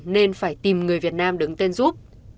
nên phải tìm người việt nam đứng tên giúp